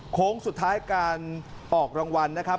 โค้งสุดท้ายการออกรางวัลนะครับ